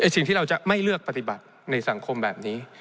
สิ่งที่เราจะไม่เลือกปฏิบัติในสังคมแบบนี้